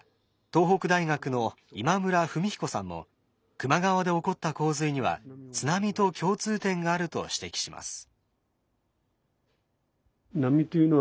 東北大学の今村文彦さんも球磨川で起こった洪水には津波と共通点があると指摘します。